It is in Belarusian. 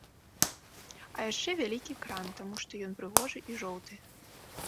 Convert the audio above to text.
А яшчэ вялікі кран, таму што ён прыгожы і жоўты.